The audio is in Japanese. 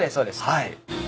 はい。